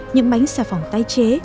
những bánh xà phòng tái chế